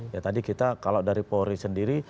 ya tadi kita kalau dari polri sendiri